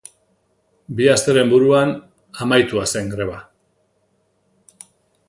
Bi asteren buruan, amaitua zen greba.